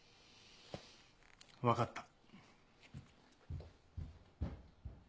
分かった。